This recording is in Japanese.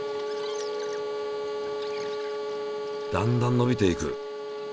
だんだんのびていく。